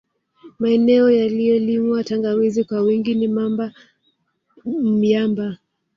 Maeneneo yanayolimwa tangawizi kwa wingi ni Mamba Myamba